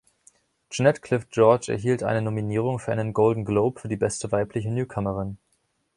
Jeanette Clift George erhielt eine Nominierung für einen Golden Globe für die beste weibliche Newcomerin.